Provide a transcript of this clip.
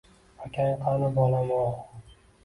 — Akang qani, bolam-ov?